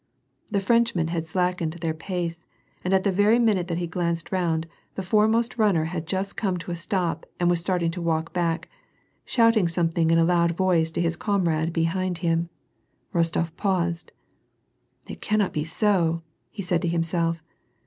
The Frenchmen had slackened their pace, and at the yery minute that he glanced round, the foremost runner hud ]nst come to a stop and was starting to walk back, shouting something in a loud voice to his comrade liehind him. Kostof paused. "It cannot be so," he said to himself.